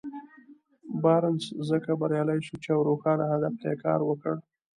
بارنس ځکه بريالی شو چې يوه روښانه هدف ته يې کار وکړ.